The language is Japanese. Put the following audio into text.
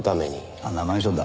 あんなマンションだ。